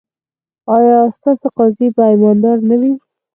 ایا ستاسو قاضي به ایماندار نه وي؟